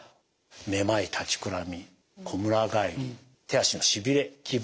めまい立ちくらみこむら返り手足のしびれ気分